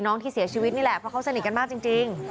ที่เสียชีวิตนี่แหละเพราะเขาสนิทกันมากจริง